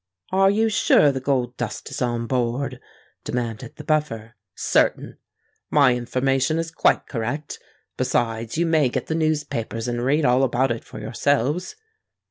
"Are you sure the gold dust is on board?" demanded the Buffer. "Certain. My information is quite correct. Besides, you may get the newspapers and read all about it for yourselves."